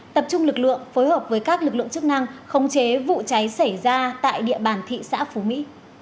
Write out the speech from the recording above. tập trung lực lượng phối hợp với các lực lượng chức năng khống chế vụ cháy xảy ra tại địa bàn thị xã phú mỹ